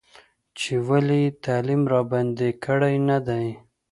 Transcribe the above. چې ولې یې تعلیم راباندې کړی نه دی.